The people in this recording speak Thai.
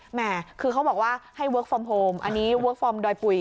แห่คือเขาบอกว่าให้เวิร์คฟอร์มโฮมอันนี้เวิร์คฟอร์มดอยปุ๋ย